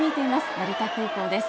成田空港です。